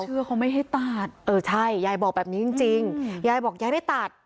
เชื่อเขาไม่ให้ตัดเออใช่ยายบอกแบบนี้จริงจริงยายบอกยายได้ตัด